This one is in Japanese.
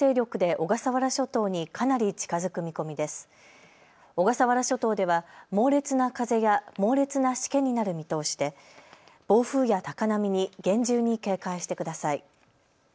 小笠原諸島では猛烈な風や猛烈なしけになる見通しで暴風や高波に厳重に警戒してください。